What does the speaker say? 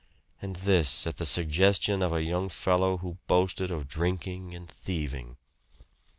And this at the suggestion of a young fellow who boasted of drinking and thieving!